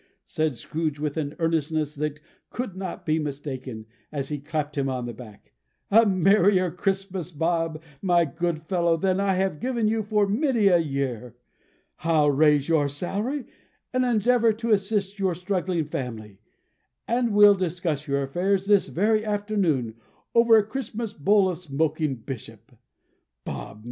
said Scrooge, with an earnestness that could not be mistaken, as he clapped him on the back. "A Merrier Christmas, Bob, my good fellow, than I have given you for many a year! I'll raise your salary, and endeavour to assist your struggling family, and we'll discuss your affairs this very afternoon, over a Christmas bowl of smoking bishop. Bob!